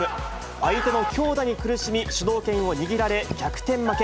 相手の強打に苦しみ、主導権を握られ、逆転負け。